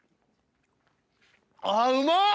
あうまっ！